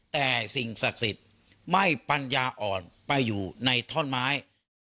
แต่สิ่งศักดิ์สิทธิ์ไม่ปัญญาอ่อนไปอยู่ในท่อนไม้